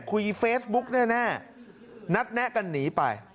คุยเฟซบุ๊กแน่นัดแนะกันหนีไป